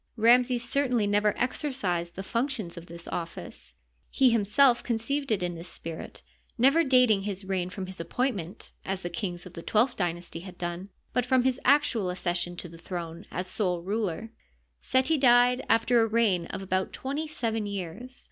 Ramses certainly never exercised the functions of this office. He himself conceived it in this spirit, never datine his reign from his appointment, as the kings of the twelfth dynasty had done, but from his actual accession to the throne as sole ruler. Seti died after a reign of about twenty seven years.